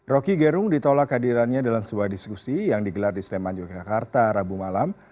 roky gerung ditolak hadirannya dalam sebuah diskusi yang digelar di sleman yogyakarta rabu malam